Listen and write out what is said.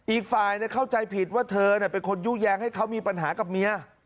อีกฝ่ายเนี่ยเข้าใจผิดว่าเธอเนี่ยเป็นคนยุแยงให้เขามีปัญหากับเมีย